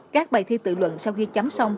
các bài thi tự luận sau khi chấm xong